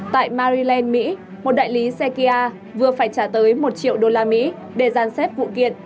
tại maryland mỹ một đại lý sekia vừa phải trả tới một triệu đô la mỹ để giàn xếp vụ kiện